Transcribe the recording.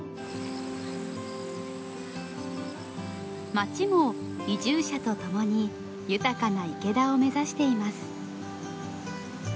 町も移住者とともに豊かな池田を目指しています。